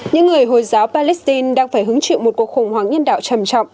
những người hồi giáo palestine đang phải hứng chịu một cuộc khủng hoảng nhân đạo trầm trọng